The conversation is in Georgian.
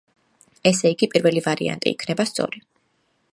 ესეიგი პირველი ვარიანტი იქნება სწორი.